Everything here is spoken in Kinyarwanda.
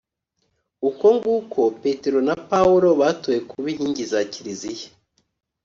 uko nguko petero na paulo batowe kuba inkingi za kiliziya.